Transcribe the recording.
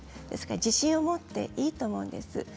ですから自信を持っていいと思うんです。